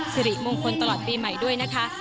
สิริมงคลตลอดปีใหม่ด้วยนะคะ